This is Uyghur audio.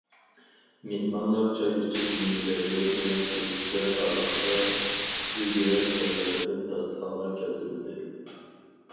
مېھمانلار چاي ئىچىپ، مېۋىلەرگە ئېغىز تەگكۈچە ئارىلىقتا ئۈگرە تەييارلىنىپ، داستىخانغا كەلتۈرۈلدى.